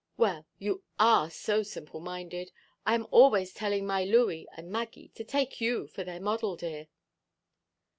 Well, you are so simple–minded. I am always telling my Looey and Maggie to take you for their model, dear!"